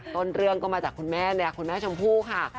ต้นเรื่องก็มาจากคุณแม่เนี่ยคุณแม่ชมพู่ค่ะ